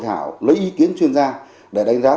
thảo lấy ý kiến chuyên gia để đánh giá